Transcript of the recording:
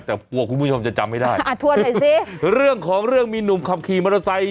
แต่กลัวคุณผู้ชมจะจำไม่ได้อ่าทวนหน่อยสิเรื่องของเรื่องมีหนุ่มขับขี่มอเตอร์ไซค